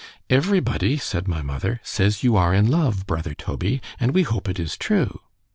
Every body, said my mother, says you are in love, brother Toby,—and we hope it is true.